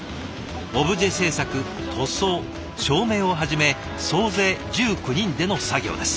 オブジェ制作塗装照明をはじめ総勢１９人での作業です。